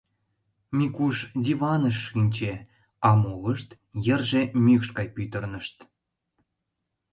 Микуш диваныш шинче, а молышт йырже мӱкш гай пӱтырнышт.